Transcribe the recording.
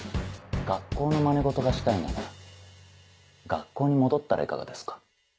学校のまね事がしたいなら学校に戻ったらいかがですか？